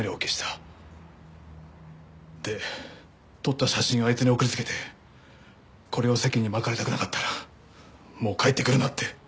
で撮った写真をあいつに送りつけてこれを世間にまかれたくなかったらもう帰ってくるなって。